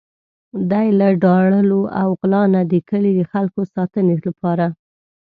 دی له داړلو او غلا نه د کلي د خلکو ساتنې لپاره.